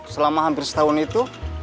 selama hampir setahun itu